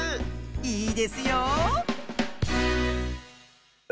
いいですよ。